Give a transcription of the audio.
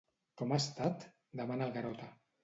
Com ha estat? —demana el Garota.